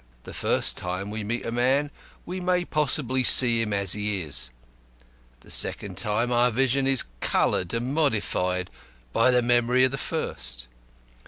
The first time we meet a man we may possibly see him as he is; the second time our vision is coloured and modified by the memory of the first.